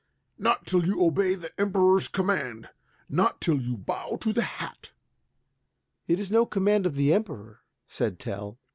"Not till you obey the Emperor's command. Not till you bow to the hat." "It is no command of the Emperor," said Tell.